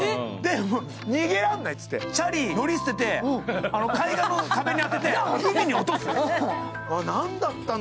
逃げられないっていってチャリ乗り捨てて海岸の壁に当てて、落とす。